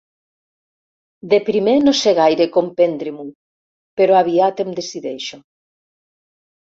De primer no sé gaire com prendre-m'ho, però aviat em decideixo.